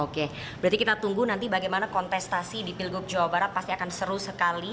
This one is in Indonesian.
oke berarti kita tunggu nanti bagaimana kontestasi di pilgub jawa barat pasti akan seru sekali